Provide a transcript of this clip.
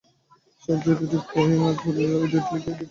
সাহেব, যে দুইটি বয়েৎ আজ বলিলে, ঐ দুইটি লিখিয়া দিতে হইবে।